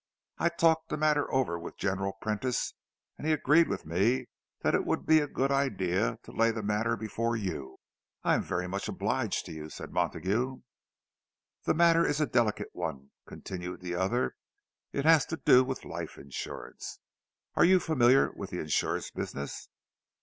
I talked the matter over with General Prentice, and he agreed with me that it would be a good idea to lay the matter before you." "I am very much obliged to you," said Montague. "The matter is a delicate one," continued the other. "It has to do with life insurance. Are you familiar with the insurance business?"